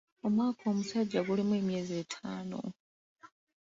Omwaka omusajja gulimu emyezi etaano.